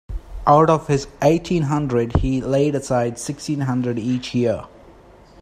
Out of his eighteen hundred, he laid aside sixteen hundred each year.